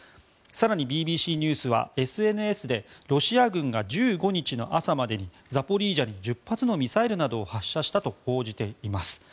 更にＢＢＣニュースは、ＳＮＳでロシア軍が１５日の朝までにザポリージャに１０発のミサイルなどを発射したと報じています。